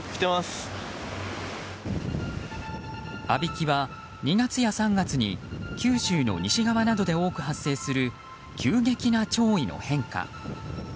あびきは２月や３月に九州の西側などで多く発生する急激な潮位の変化。